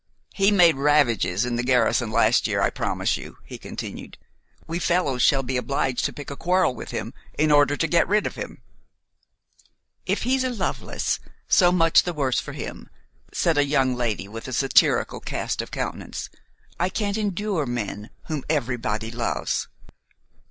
"He made ravages in the garrison last year, I promise you," he continued. "We fellows shall be obliged to pick a quarrel with him, in order to get rid of him." "If he's a Lovelace, so much the worse for him," said a young lady with a satirical cast of countenance; "I can't endure men whom everybody loves."